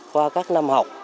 qua các năm học